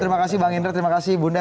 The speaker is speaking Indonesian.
terima kasih bang indra terima kasih bunda